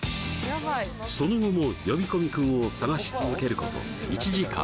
その後も呼び込み君を探し続けること１時間